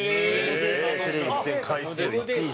テレビ出演回数１位で。